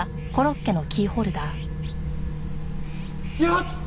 やった！